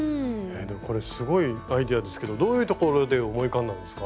これすごいアイデアですけどどういうところで思い浮かんだんですか？